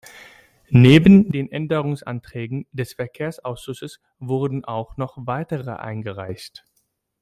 Neben den Änderungsanträgen des Verkehrsausschusses wurden auch noch weitere eingereicht.